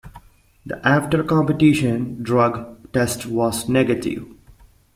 The after-competition drug test was negative.